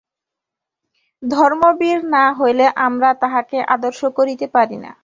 ধর্মবীর না হইলে আমরা তাঁহাকে আদর্শ করিতে পারি না।